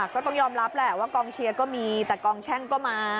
ก็ต้องยอมรับแหละว่ากองเชียร์ก็มีแต่กองแช่งก็มา